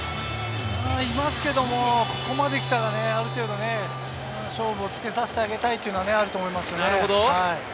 いますけど、ここまで来たらある程度勝負をつけさせてあげたいというのはあると思います。